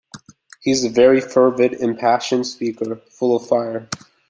He is a very fervid, impassioned speaker — full of fire!